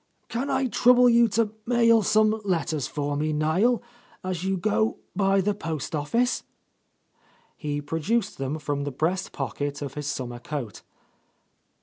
"Can I trouble you to mail some letters for me, Niel, as you go by the post office?" He pro duced them from the Breast pocket of his summer coat.